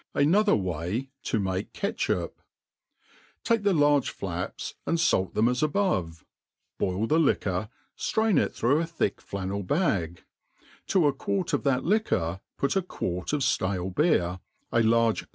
Jmthir iVay io makt CHUhup. T AREtbe large flaps, and fait them as above } boil the li .uX ftriinit through a thick flannel bag ; to a quart of that lirjr put a quart of ftale beer, a large fV.